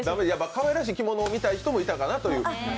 かわいらしい着物を見たい人もいたかなと。